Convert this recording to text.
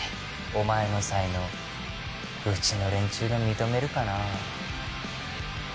お前の才能うちの連中が認めるかな？